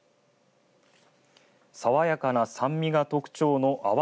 爽やかな酸味が特徴の阿波